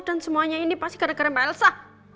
dan semuanya ini pasti gara gara mbak elsa